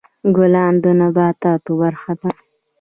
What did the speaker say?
ګلان د نباتاتو برخه ده.